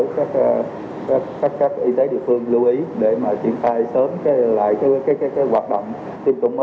các các các y tế địa phương lưu ý để mà triển khai sớm cái lại cái cái cái hoạt động tiêm chủng mở